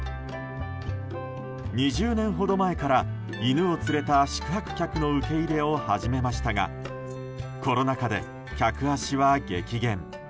２０年ほど前から犬を連れた宿泊客の受け入れを始めましたがコロナ禍で客足は激減。